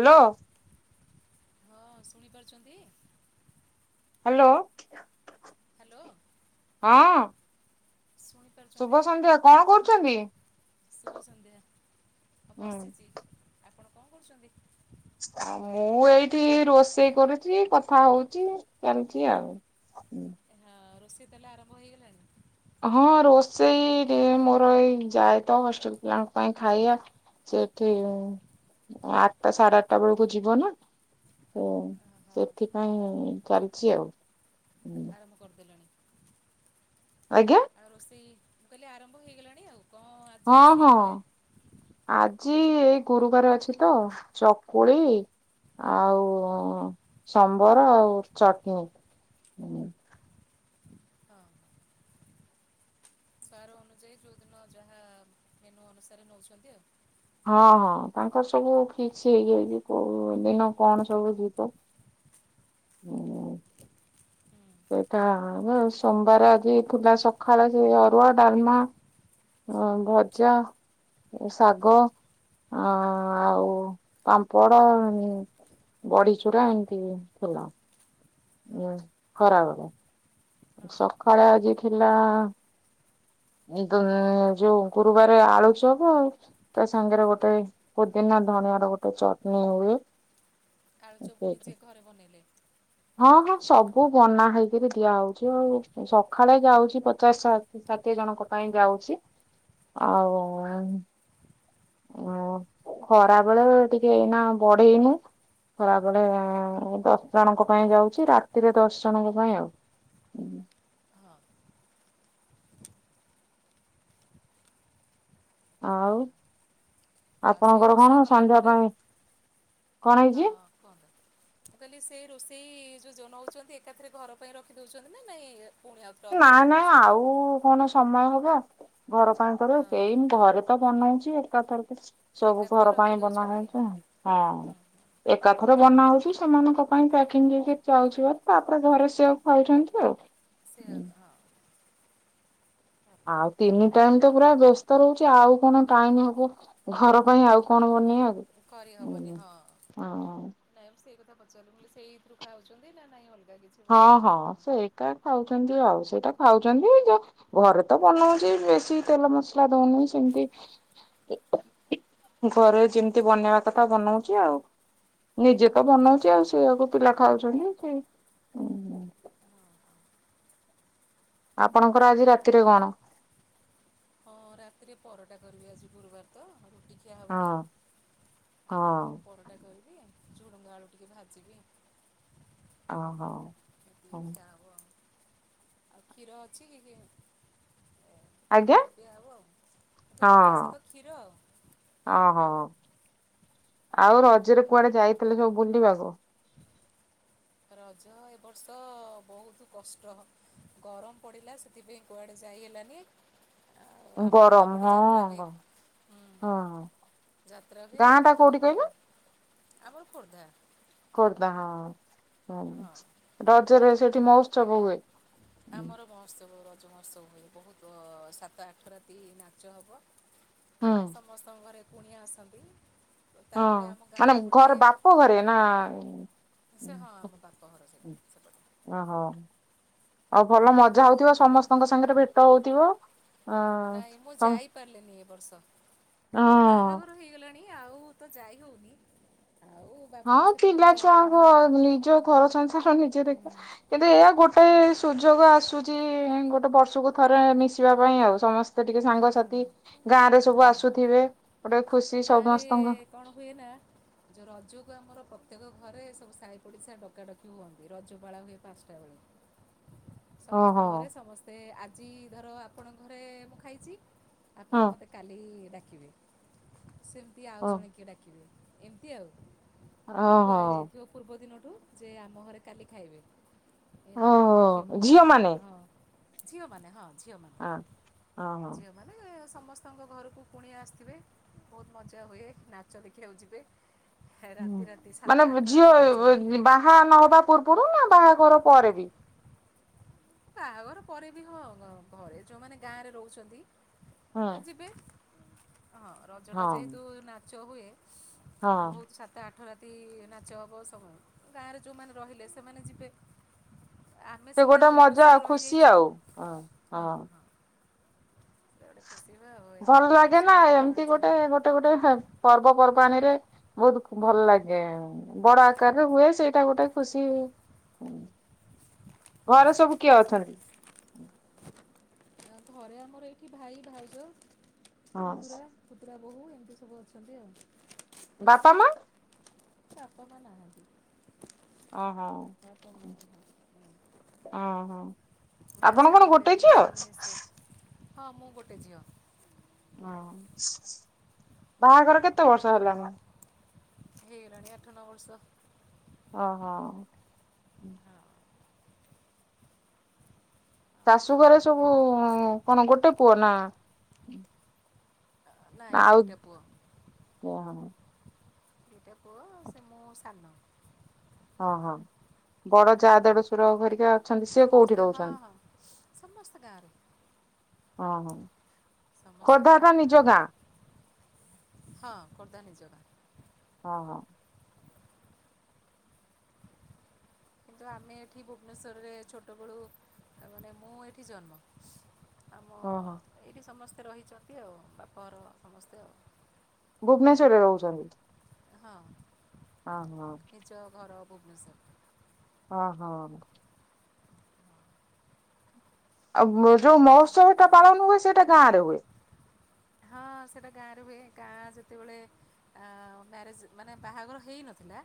Hello. ହଁ ଶୁଣି ପାରୁଛନ୍ତି। ହ୍ୟାଲୋ। ହ୍ୟାଲୋ। ହଁ। ଶୁଭ ଶୁଣିପାରୁଛନ୍ତି ସନ୍ଧ୍ୟା କଣ କରୁଛନ୍ତି। ଶୁଭ ସନ୍ଧ୍ୟା ଅ ହୁଁ ବସିଚି ଆପଣ କଣ କରୁଛନ୍ତି। ଆଉ ମୁଁ ଏଇଠି ରୋଷେଇ କରୁଚି କଥା ହଉଚି ଚାଲିଚି ଆଉ। [inaudible] ଆ ରୋଷେଇ ତାହେଲେ ଆରମ୍ଭ ହେଇଗଲାଣି। ହଁ ରୋଷେଇ ଡେ ମୋର ଏଇ ଯାଏ ତ ହଷ୍ଟେଲ ପିଲାଙ୍କ ପାଇଁ ଖାଇବା ସେଠି ଆଠଟା ସାଢେ ଆଠଟା ବେଳକୁ ଯିବ ନା ତ ହଁ ସେଥିପାଇଁ ଚାଲିଚି ଆଉ। ଆରମ୍ଭ କରିଦେଲଣି। ଆଜ୍ଞା। ଆଉ ରୋଷେଇ କହିଲି ଆରମ୍ଭ ହେଇଗଲାଣି ଆଉ। କଣ ଆଜି ହଁ ରୋଷେଇ ହଁ ନେବେ ଆଜି ଗୁରୁବାର ଅଛି ତ ଚକୁଳି ଆଉ ସମ୍ବର ଆଉ ଚଟନୀ। [inaudible] ହଁ ବାର ଅନୁଯାୟୀ ଯୋଉ ଦିନ ଯାହା ମେନୁ ଅନୁସାରେ ନଉଛନ୍ତି ଆଉ। ହଁ ହଁ ତାଙ୍କର ସବୁ ଫିକ୍ସ ହେଇଯାଇଛି କୋଉ ଦିନ କଣ ସବୁ ଯିବ। ହଁ। ହୁଁ ସେଇଟା ଆହାର ସୋମବାର ଆଜି ଥିଲା ସକାଳେ ସେ ଅରୁଆ ଡ଼ାଲମା ଆଉ ଭଜା ଶାଗ ଆ ଆଉ ପାମ୍ପଡ ବଢି ଚୂୁରା ଏମତି ଥିଲା ହଁ ଉ ଖରାବେଳେ। ହଁ ହଁ ସକାଳେ ଆଜି ଥିଲା [inaudible] ଏଇ ତ ଯୋଉ ଗୁରୁବାର ଆଳୁ ଚପ୍ ତା ସାଙ୍ଗରେ ଗୋଟେ ପୋଦିିନା ଧଣିଆ ର ଗୋଟେ ଚଟଣି ହୁଏ। ଆଳୁ ଚପ୍ ସେଇଟା ନିଜେ ଘରେ ବନେଇଲେ? ହଁ ହଁ ସବୁ ବନା ହେଇକିରି ଦିଆହଉଛି ଆଉ ସକାଳେ ଯାଉଚି ପଚାଶ ସା ଷାଠିଏ ଜଣଙ୍କ ପାଇଁ ଯାଉଚି ଆଉ ହଁ ଓ ଖରା ବେଳେ ଟିକେ ଏଇନା ବଢେଇନୁ। ଖରାବେଳେ ଅ, ଅ, ଅ, ଦଶ ଜଣଙ୍କ ପାଇଁ ଯାଉଚି ରାତିରେ ଦଶ ଜଣଙ୍କ ପାଇଁ ଆଉ। ହଁ ଆଉ ଆଉ ସେଇ ଆପଣଙ୍କର କଣ ରୋଷେଇ କଲା ସନ୍ଧ୍ୟା ପରେ ପାଇଁ କଣ ହେଇଚି? ହଁ କୁହନ୍ତୁ। ମୁଁ କହିଲି ସେ ରୋଷେଇ ଯୋଉ ଜୋନଉଛନ୍ତି ଏକାଥରେ ଘର ପାଇଁ ରଖି ଦଉଛନ୍ତି ନା ନାଇଁ ପୁଣି ଆଉ ଥରେ ଅଲଗା ନାଇଁ ନାଇଁ ବନଉଛନ୍ତି। ଆଉ କଣ ସମୟ ହଵ, ଘର ପାଇଁ ହଁ କରିବୁ, ଏଇ ଘର ତ ବନଉଛି ଏକାଥରକେ। ସବୁ ଏକାଥରେ ଘର ପାଇଁ ବନା ରଖିଦଉଛନ୍ତି। ହଉଛି, ହଁ ହୁଁ ହୁଁ ଏକାଥରେ ବନାଉଛି ସେମାନଙ୍କ ପାଇଁ ପ୍ୟାକିଙ୍ଗ ହେଇ କି ଯାଉଛି ବା ତାପରେ ଘରେ ସେୟାକୁ ଖାଉଛନ୍ତି ଆଉ। ସେୟା। ଆଉ ତିନି ଟାଇମ ତ ପୁରା ବ୍ୟସ୍ତ ରହୁଛି, ଆଉ କଣ ଟାଇମ ହବ ଘର ପାଇଁ ଆଉ କଣ ବନିଇବାକୁ। କରି ହବନି ହଁ। ପଚାରିଲୁ ବୋଲି ସେଇଥିରୁ ଖାଉଛନ୍ତି ନା ନାହିଁ ଅଲ ହଁ ହଁ ସେଇଟା ଖାଉଛନ୍ତି ଆଉ, ସେଇଟା ଖାଉଛନ୍ତି ଯଉ ଘରେ ତ ବନଉଛି ବେଶୀ ତେଲ ମସଲା ଦଉନି ସେମତି ଘରେ ଯେମିତି ବନେଇବା କଥା ବନଉଛି ଆଉ, ନିଜେ ତ ବନଉଛି ହଁ ଆଉ ସେଆକୁ ପିଲା ଖାଉଛନ୍ତି, ସେ ହଁ ହଁ। ଆପଣଙ୍କର ଆଜି ରାତିରେ କଣ? ହଁ ରାତିରେ ପରଟା କରିବି ଆଜି ଗୁରୁବାର ତ। କିଛି ଖିଆ ହଁ ହେବନି ହଁ ଆଉ ପରଟା କରିବି ଆଉ ଝୁଡ଼ଙ୍ଗ ଆଳୁ ଟିକେ ଭାଜିବି। ଓ ହୋ, ଏତିକି ହ ଖିଆ ହବ ଆଉ। ଆଉ କ୍ଷୀର ଅଛି କି, ଆଜ୍ଞା କ୍ଷୀର ପିଆ ହବ ଆଉ। କ୍ଷୀରି ତା ହଁ ସହିତ କ୍ଷୀର ଆଉ। ହ ଆଉ ରଜରେ କୁଆଡେ ଯାଇଥିଲେ ସବୁ ବୁଲିବାକୁ? ରଜ ଏ ବର୍ଷ ବହୁତ କଷ୍ଟ, ଗରମ ପଡ଼ିଲା ସେଥିପାଇଁ କୁଆଡେ ଯାଇ ହେଲାନି। ଆଉ ଆମ ଗାଁ ଗରମ ପଟେ ହଁ ଯାତ୍ରା ହୁଏ ହଁ ହୁଁ ହଁ। ଯାତ୍ରା ବି ହୁଏ ଗାଁ ଟା କିନ୍ତୁ କୋଉଠି କହିଲ? ଆମର ଖୋର୍ଦ୍ଧା ଖୋର୍ଦ୍ଧା ହଁ। ହୁଁ, ହଁ ରଜରେ ସେଠି ମହୋତ୍ସବ ହୁଏ। ଆମର ମହୋତ୍ସବ ରଜ ମହୋତ୍ସବ ହୁଏ, ବହୁତ ସାତ ଆଠ ରାତି ନାଚ ହବ ହୁଁ ସମସ୍ତଙ୍କ ଘରେ କୁଣିଆ ଆସନ୍ତି। ହଁ ତାପରେ ଆମ ଗାଁର ମାନେ ଗୋଟେ ଘରେ ବାପ ଘରେ ନା ସେ ହଁ ଆମ ବାପ ଘର ସେ ସେପଟେ। ଓହୋ ଆଉ ଭଲ ମଜା ହଉଥିବ ଆଉ ସମସ୍ତଙ୍କ ସାଙ୍ଗରେ ଭେଟ ହଉଥିବ? ନାଇଁ ମୁଁ ଅ ଯାଇପାରିଲେନି ଏ ବର୍ଷ, ତାପରେ ହଁ ବାହାଘର ହେଇଗଲାଣି ଆଉ ତ ଯାଇ ହଉନି। ଆଉ ବାପ ହଁ ସେପଟକୁ ପିଲା ଯାଇ ହଉନି। ଛୁଆଙ୍କ ନିଜ ଘର ସଂସାର ନିଜେ ଦେଖ, କିନ୍ତୁ ଏଇଆ ଗୋଟେ ସୁଯୋଗ ଆସୁଛି ଗୋଟେ ବର୍ଷକୁ ଥରେ ମିଶିବା ପାଇଁ ଆଉ ସମସ୍ ସ୍ତେ ଟିକେ ହଁ ସାଙ୍ଗସାଥି, ଗାଁ ରେ ସବୁ ହଁ ହଁ ଆସୁଥିବେ ଗୋଟେ ଖୁସି ସମସ୍ତଙ୍କ ଯେ ରଜ କୁ ଆମର ପ୍ରତ୍ୟେକ ଘରେ ସବୁ ସାାଇ ପଡ଼ିଶା ଡକାଡକି ହୁଅନ୍ତି, ରଜପାଳା ହୁଏ ପାଞ୍ଚଟା ବେଳେ। ଓହୋ ସମସ୍ତଙ୍କ ଘରେ ସମସ୍ତେ ଆଜି ଧର ଆପଣଙ୍କ ଘରେ ମୁଁ ଖାଇଛି। ଆପଣ ହଁ ମୋତେ କାଲି ଡାକିବେ, ସେମିତି ଆଉ ଓ ଜଣେ କିଏ ଡାକିବେ। ଏମିତି ଆଉ ଓହୋ କୁହାହେଇଥିବ ପୂର୍ବ ଦିନ ଟୁ ଯେ ଆମ ଘରେ କାଲି ଖାଇବେ, ଏମିତି ଓହୋ ଖିଓପୁଆ ଝିଅ ମାନେ ହଁ। ଝିଅ ମାନେ ହଁ। ହଁ ହ। ଝିଅ ମାନେ ସ ସମସ୍ତଙ୍କ ଘରକୁ କୁଣିଆ ଆସିଥିବେ ବହୁତ ମଜା ହୁଏ, ନାଚ ଦେଖିବାକୁ ଯିବେ। ହୁଁ ରାତି ରାତି ସାତ ମାନେବ୍ ଆଠ ରାତି ନାଚ ହୁଏ ଝିଅବ୍ ବାହା ନହବା ପୂର୍ବରୁ ନା ବାହାଘର ପରେ ବି? ବାହାଘର ପରେ ବି ହଁ ଙ୍ଗ ଘରେ ଯୋଉମାନେ ଗାଁରେ ରହୁଛନ୍ତି ହଁ ଯିବେ। ହଁ ରଜ ଟା ହଁ ଯେହେତୁ ନାଚ ହୁଏ ହଁ ବହୁତ ସାତ ଆଠ ଅଠରାତି ନାଚ ହେବ ସବୁ ଗାଁରେ ଯେଉଁମାନେ ରହିଲେ ସେମାନେ ଯିବେ ଆମେ ସେ ସିନା ଗୋଟେ ବୁ ମଜା ଆଉ ଖୁସି ଆଉ ହ ହଁ। ଏଟା ଗୋଟେ ଖୁସିବା ଆଉ ଏ ଭଲ ଲାଗେ ବର୍ଷ ନା ମୁଁ ଆଉ ଏମିତି କୁଆଡ଼େ ଗୋଟେ, ଯାଏନି। ଗୋଟେ ଗୋଟେ ହେ ପର୍ବପର୍ବାଣିରେ ବହୁତ ଭଲ ଲାଗେ ବଡ ଆକାରରେ ହୁଏ, ସେଇଟା ଗୋଟେ ଖୁସି। [inaudible] ହଁ। ଘରେ ସବୁ କିଏ ଅଛନ୍ତି? ଆଁ ଘରେ ଆମର ଏଇଠି ଭାଇ, ଭାଉଜ, ହଁ ପୁତୁରାୁ, ପୁତୁ ରା ବୋହୁ ଏମିତି ସବୁ ଅଛନ୍ତି ଆଉ। ବାପା ମା? ବାପା ମା ନାହାନ୍ତି। ଓ ହୋ। ବାପା ମା ନାହାନ୍ତି। ଓ ହୋ ମା ଆପଣ କଣ ଚାଲିଗଲେ ଗୋଟେଇ ଦୁଇ ଝିଅ? ହଜାର ଉଣେଇଶରେ। ହଁ ମୁଁ ଗୋଟେ ଝିଅ। ହଁ ବାହାଘର କେତେ ବର୍ଷ ହେଲା ଣି? ହେଇ ଗଲାଣି ଆଠ ନଅ ବର୍ଷ। ହଁ ହଁ ହ। ଶାଶୁ ଘରେ ଏମିତି ସବୁ ଆଉ। କଣ ଗୋଟେ ପୁଅ ନା ନାଇଁ ଆଉ ଦିଇଟା ପୁଅ। କଣ? ଦିଟା ପୁଅ ସେ ମୁଁ ସାନ। ହଁ ହଁ। ବଡ ହଁ ଯା ହଁ। ଦେଡ ସୁର ଘରିକା ଅଛନ୍ତି, ସେ କୋଉଠି ସମସ୍ତେ ହଁ ରହୁଛନ୍ତି? ହଁ ସମସ୍ତେ ଗାଁରେ ଓ ହୋ ସମସ୍ତେ ଖୋର୍ଦ୍ଧା ଟା ଗାଁରେ ନିଜ ଗାଁ? ହଁ ଖୋର୍ଦ୍ଧା ନିଜ ଗାଁ। ହଁ ହଁ। କିନ୍ତୁ ଆମେ ଏଠି ଭୁବନେଶ୍ୱରରେ ଛୋଟବେଳୁ ତା ମାନେ ମୁଁ ଏଠି ଜନ୍ମ। ଆମ ହ ହୋ। ଏଇଠି ସମସ୍ତେ ରହିଛନ୍ତି ଆଉ ବାପଘର ସମସ୍ତେ ଆଉ। ଭୁବନେଶ୍ୱରରେ ରହୁଛନ୍ତି? ହଁ। ହ ହୋ। ଭୁବନେଶ୍ୱର୍ ରେ। ହ ହଁ। ଆବ୍ ଯୋଉ ମହୋତ୍ସବ ଟା ପାଳନ ହୁଏ, ସେଇଟା ଗାଁ ରେ ହୁଏ। ହଁ ସେଇଟା ଗାଁରେ ହୁଏ, ଗାଁ ଯେତେବେଳେ ଏଁ ମ୍ୟାରେଜ ମାନେ ବାହାଘର ହେଇନଥିଲା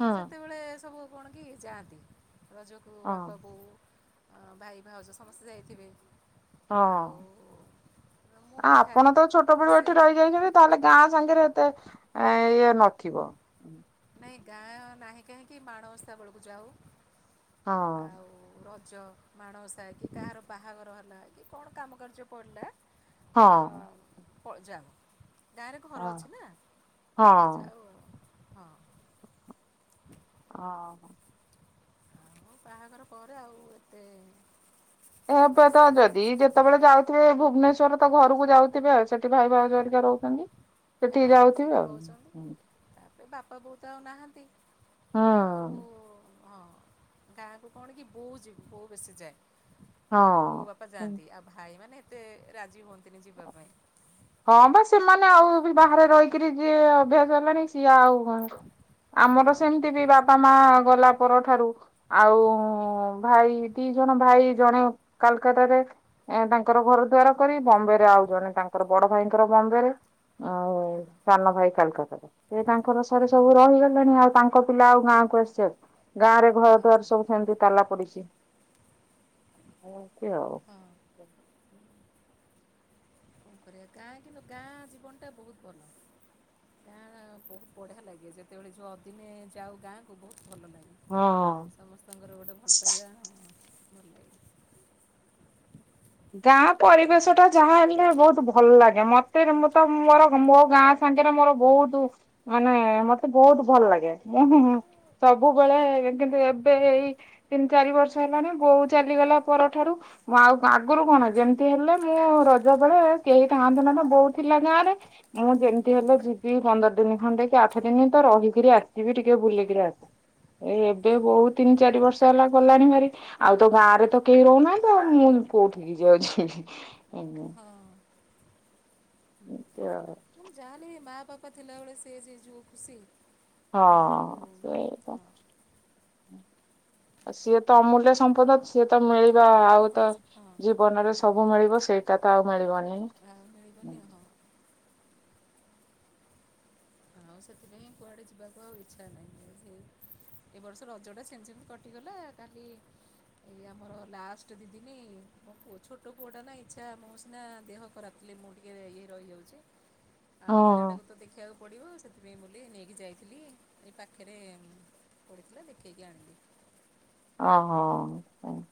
ହୁଁ ସେତେବେଳେ ସବୁ କଣ କି ଯାଆନ୍ତି ରଜକୁ ହଁ। ବାପା ବୋଉ ଅ ଭାଇ ଭାଉଜ ସମସ୍ତେ ଯାଇଥିବେ। ହଁ ଆଉ ମୁଁ ଆ ବି ଥାଏ ଆପଣ ତ ଛୋଟବେଳୁ ଖୁସି ଏଠି ଆଉ ରହିଯାଇଛନ୍ତି, ତାହେଲେ ଗାଁ ସାଙ୍ଗେ ଏତେ ଇଏ ନଥିବ। ନହିଁ ଗାଁ ନାହିଁ କାହିଁକି ମାଣବସ୍ ବେଳକୁ ଯାଉ। ହଁ। ଆଉ ରଜ ମାଣସା କି କାହାର ବାହାଘର ହେଲା କି କଣ କାମ କାର୍ଯ୍ୟ ପଡ଼ିଲା ଆ, ହଁ। ଯାଉ, ଡାଇରେକ୍ଟ ଘର ଅଛି ନା, ହଁ ଯାଉ ଆଉ। ହଁ। ଅ ହ। ଆଉ ବାହାଘର ପରେ ଆଉ ଏତେ ଯିବା ଏବେ ତ ଆସିବା ଯଦି ସେପଟକୁ ଯେତେବେଳେ ନାହିଁ। ଯାଉଥିବେ, ଭୁବନେଶ୍ୱର ତ ଘରକୁ ଯାଉ ଥିବ, ଆଉ ସେଠି ଭାଇ ଭଉ ଜରିକା ରହୁଛନ୍ତି। ସେଠିକି ହଁ ଯାଉଥିବେ ସେଇଠି ଆଉ ରହୁଛନ୍ତି ତାପରେ ବାପା ବହୁତ ଆଉ ନାହାନ୍ତି। ହଁ। ଆଉ ହଁ ଗାଁକୁ କଣ କି ବୋଉ ଜି ପୁଅ ବେଶି ଯାଏନି। ବୋଉ ବାପା ହଁ। ଯାଆନ୍ତି ଆଉ ଭାଇ ମାନେ ଏତେ ରାଜି ହୁଅନ୍ତିନି ଯିବା ପାଇଁ ହଁ ବା ସେମାନେ ଆଉ ବି ବାହାରେ ରହିକରି ଯିଏ ଅଭ୍ୟାସ ହେଲାଣି ସିଏ ଆଉ ହଁ ଆମର ହଁ ସେମିତି ବି ବାପା ମା ଗଲା ପରଠାରୁ ଆଉ ଭାଇ ଦିଇ ଜଣ ଭାଇ ଜଣେ କାଲକାଟାରେ ଏ ତାଙ୍କର ଘର ଦଵାର କରି ବମ୍ବେ ରେ ଆଉ ଜଣେ ତାଙ୍କର ବଡ ଭାଇଙ୍କର ବମ୍ବେ ରେ ଆଉ ହଁ ସାନ ଭାଇ କାଲକାତାରେ ସେ ତାଙ୍କର ହୁଁ ସରେ ସବୁ ହୁଁ ରହିଗଲାଣି ଆଉ ତାଙ୍କ ପିଲା ଆଉ ଗାଁ ଆସି ଗାଁ ରେ ଘର ହଁ ଦୁଆର ସବୁ ସେମିତି ତାଲା ପଡିଚି। ଏମତି ଆଉ ହଁ କଣ କରିବା ଗାଁ କିନ୍ତୁ ଗାଁ ଜୀବନଟା ବହୁତ ଭଲ। ଗାଁ ବହୁତ ବଢିଆ ଲାଗେ ଯେତେବେଳେ ଯୋଉଅ ଦିନେ ଯାଉ ଗାଁକୁ ବହୁତ ଭଲ ଲାଗେ ହଁ। ସମସ୍ତଙ୍କର ଗୋଟେ ଭଲ ପାଇବା ଆଉ ଗାଁ ପରିବେଶ ଟା ଯାହା ହେଲେ ବହୁତ ଭଲ ଲାଗେ ମତେ ମୁଁ ତ ମୋର ହଁ। ମୋ ଗାଁ ସାଙ୍ଗ ସାଙ୍କରେ ମୋର ବହୁତ ମାନେ ମତେ ବହୁତ ଭଲ ଲାଗେ ସବୁବେଳେ କିନ୍ତୁ ଏବେ ଏଇ ତିନି ଚାରି ବର୍ଷ ହେଲାଣି ବୋଉ ଚାଲିଗଲା ପରଠାରୁ ମୁଁ ଆଉ ଆଗରୁ କଣ ଯେମିତି ହେଲେ ମୁଁ ରଜ ବେଳେ କେହି ଥାଆନ୍ତୁ ନା ନା ବୋଉ ଥିଲା ଗାଁ ରେ ମୁଁ ସେମିତି ହେଲେ ଯିବି ପନ୍ଦର ଦିନ ଖଣ୍ଡେକ ଆଠ ଦିନ ତ ରହିକରି ଆସିବି ଟିକେ ବୁଲିକିରି ଆସି ଏ ଏବେ ହଁ ବହୁତ ତିନି ଚାରି ବର୍ଷ ହେଲା ଗଲାଣି ଭାରି ଆଉ ତ ଗାଁ ରେ ତ କେହି ରହୁନାହାଁନ୍ତି ଆଉ ମୁଁ କୋଉଠିକି ଯାଉଛି। ହଁ। ଏମତି ଆଉ। ଜାଲିି ମା ପାପା ଥିଲାବେଳେ ସେ ଯ ଯିବ ଖୁସି ଆଉ ହଁ ତ ଏଇଟା ହଁ ଆଉ ସିଏ ତ ଅମୂଲ୍ୟ ସମ୍ପଦ ସିଏ ତ ମିଳି ଆଉ ସେ ତ ହଁ ଜୀବନରେ ସବୁ ମିଳିବ ସେଇ ଟା ତ ଆଉ ମିଳିବନି। ଆଉ ମିଳିବନି ହଁ। ହଁଉ ସେଥିପାଇଁ କୁଆଡେ ଯିବାକୁ ଆଉ ଇଚ୍ଛା ନାହିଁ ଆଉ ସେ ଏବ ବର୍ଷ ରଜ ଟା ସେମିତି ସେମିତି କଟିଗଲା କାଲି ଏଇ ଆମର ଲାଷ୍ଟ ଦିଦିିନି ମୋ ପଅ ଛୋଟ ପୁଅ ଟା ନା ଇଚ୍ଛା ମୋ ସିନା ଦେହ ଖରାପ ମୁଁ ଟିକେ ଇ ରହିଯାଉଛି ଆଉ ହଁ ପିଲାଟାକୁ ତ ଦେଖିବାକୁ ପଡିବ ସେଥିପାଇଁ ବ ନେଇକି ଯାଇଥିଲି ଏ ପାଖେରେ ଓଡ଼ିିକଥିଲା ଦେଖି କି ଆଣିଲି। ଓ ହୋ।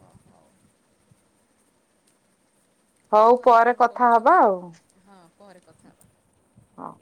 ଓ ହଉ। ହଉ ହୋଉ ଆଉ କ'ଣ ପରେ କଥା ହବା କରୁଛନ୍ତି ଆଉ। ହଁ ପରେ କଥା ହେବା। ହଉ।